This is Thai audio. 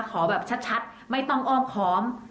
ขอแบบชัดไม่ต้องอ้อมค้อม